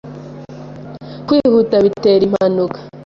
Kwihuta bitera impanuka.